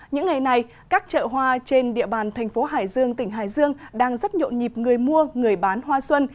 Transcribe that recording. những ngày này các chợ hoa trên địa bàn thành phố hải dương tỉnh hải dương đang rất nhộn nhịp người mua người bán hoa xuân